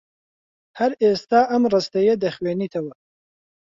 هەر ئێستا ئەم ڕستەیە دەخوێنیتەوە.